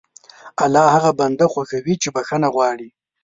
الله هغه بنده خوښوي چې بښنه غواړي.